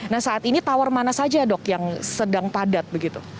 nah saat ini tower mana saja dok yang sedang padat begitu